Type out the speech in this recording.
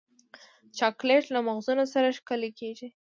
چاکلېټ له مغزونو سره ښکلی کېږي.